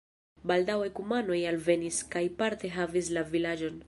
Baldaŭe kumanoj alvenis kaj parte havis la vilaĝon.